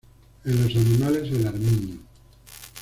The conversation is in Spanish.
En los animales el armiño.